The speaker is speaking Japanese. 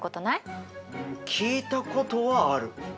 うん聞いたことはある。